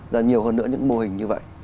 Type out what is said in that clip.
và nhiều hơn nữa những mô hình như vậy